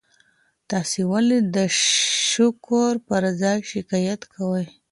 تاسي ولي د شکر پر ځای شکایت کوئ؟